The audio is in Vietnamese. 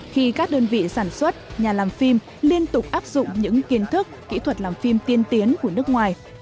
khi các đơn vị sản xuất nhà làm phim liên tục áp dụng những kiến thức kỹ thuật làm phim tiên tiến của nước ngoài